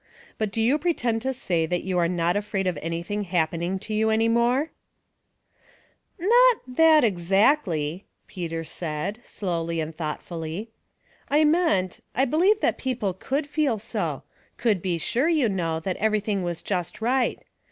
But do you pretend to say that you are not afraid of anything happening to you any more ?" "'Not that exactly," Peter said, slowly and thoughtfully. " I meant, I believed that people could feel so ; could be sure, you know, that everything was just right.